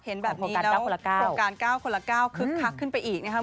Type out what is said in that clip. เห็นแบบนี้แล้วโครงการ๙คนละ๙คึกคักขึ้นไปอีกนะครับ